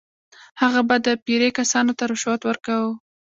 هغه به د پیرې کسانو ته رشوت ورکاوه.